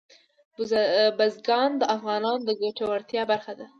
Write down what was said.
بزګان د افغانانو د ګټورتیا برخه ده.